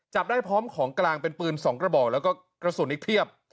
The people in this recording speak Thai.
จับได้พร้อมของกลางเป็นปืน๒กระบอกแล้วก็กระสุนอีกเพียบ